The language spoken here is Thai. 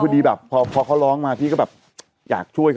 เพราะคนนี้เขาเก่ง